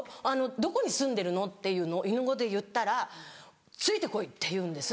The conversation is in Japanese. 「どこに住んでるの？」っていうのを犬語で言ったら「ついて来い」って言うんです。